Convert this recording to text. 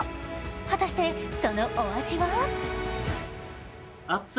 果たしてそのお味は？